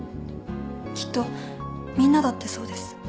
きっとみんなだってそうです